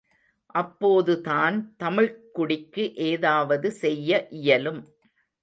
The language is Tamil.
அப்போதுதான் தமிழ்க் குடிக்கு ஏதாவது செய்ய இயலும்!